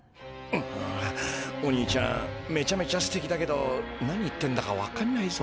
うオニーちゃんめちゃめちゃステキだけど何言ってんだか分かんないぞ。